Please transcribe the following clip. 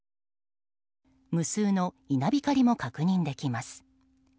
無数の稲光も確認できます。